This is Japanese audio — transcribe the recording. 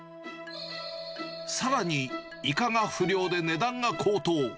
さらにイカが不漁で値段が高騰。